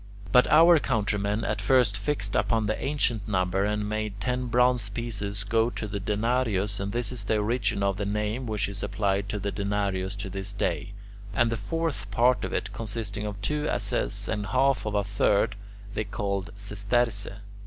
But our countrymen at first fixed upon the ancient number and made ten bronze pieces go to the denarius, and this is the origin of the name which is applied to the denarius to this day. And the fourth part of it, consisting of two asses and half of a third, they called "sesterce."